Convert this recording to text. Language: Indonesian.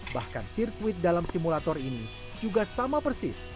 bahkan sirkuit dalam simulator ini juga sama persis